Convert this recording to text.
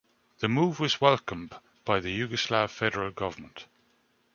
The move was welcomed by the Yugoslav federal government.